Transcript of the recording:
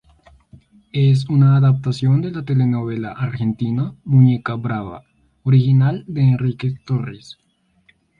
Es una adaptación de la telenovela argentina "Muñeca brava" original de Enrique Torres.